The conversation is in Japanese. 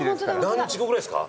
何日後ぐらいですか？